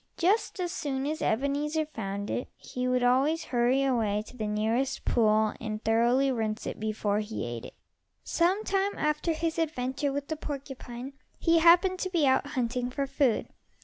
Just as soon as Ebenezer found it he would always hurry away to the nearest pool and thoroughly rinse it before he ate it. Some time after his adventure with the porcupine, he happened to be out hunting for food.